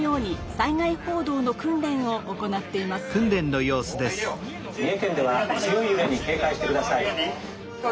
「三重県では強いゆれに警戒してください。